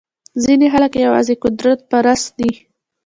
ځینې خلک یوازې قدرت پرسته دي.